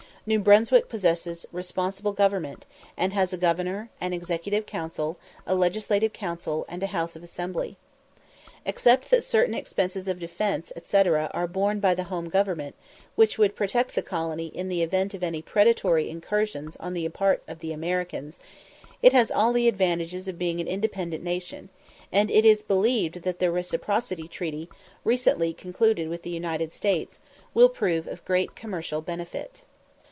New Brunswick possesses "responsible government," and has a Governor, an Executive Council, a Legislative Council, and a House of Assembly. Except that certain expenses of defence, &c., are borne by the home government, which would protect the colony in the event of any predatory incursions on the part of the Americans, it has all the advantages of being an independent nation; and it is believed that the Reciprocity Treaty, recently concluded with the United States, will prove of great commercial benefit.